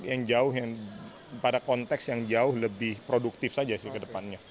yang jauh yang pada konteks yang jauh lebih produktif saja sih ke depannya